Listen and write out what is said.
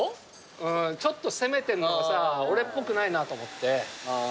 うんちょっと攻めてるのが俺っぽくないなと思って。